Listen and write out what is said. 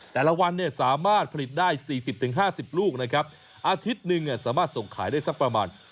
แต่ละวันเนี้ยสามารถผลิตได้สี่สิบถึงห้าสิบลูกนะครับอาทิตย์หนึ่งอ่ะสามารถส่งขายได้สักประมาณ